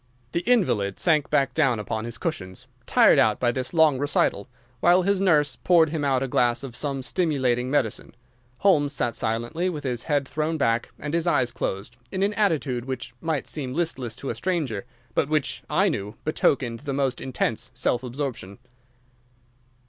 The invalid sank back upon his cushions, tired out by this long recital, while his nurse poured him out a glass of some stimulating medicine. Holmes sat silently, with his head thrown back and his eyes closed, in an attitude which might seem listless to a stranger, but which I knew betokened the most intense self absorption.